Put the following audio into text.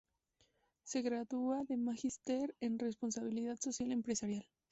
Se gradúa de Magister en Responsabilidad Social Empresarial.